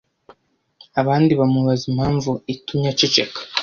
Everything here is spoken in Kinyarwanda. Abandi bamubaza impamvu itumye aceceka